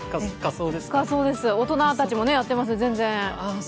大人たちもやってますから、全然。